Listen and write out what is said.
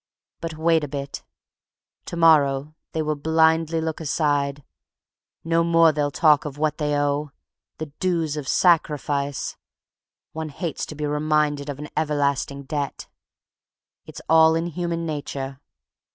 But wait a bit; to morrow they will blindly look aside; No more they'll talk of what they owe, the dues of sacrifice (One hates to be reminded of an everlasting debt). It's all in human nature.